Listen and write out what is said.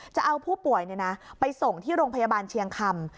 จะเอาผู้ป่วยไปส่งที่โรงพยาบาลเชียงคำ